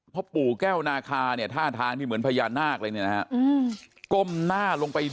พ่อปู่แก้วนาคาเนี่ยท่าทางที่เหมือนพญานาคเลยเนี่ยนะฮะก้มหน้าลงไป